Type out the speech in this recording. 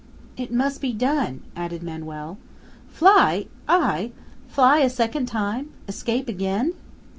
"It must be done!" added Manoel. "Fly! I! Fly a second time! Escape again?"